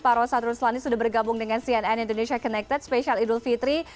pak rosan ruslani sudah bergabung dengan cnn indonesia connected spesial idul fitri